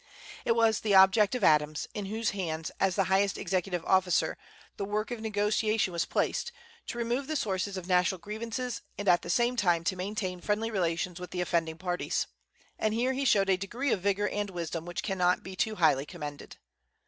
It was the object of Adams, in whose hands, as the highest executive officer, the work of negotiation was placed, to remove the sources of national grievances, and at the same time to maintain friendly relations with the offending parties. And here he showed a degree of vigor and wisdom which cannot be too highly commended.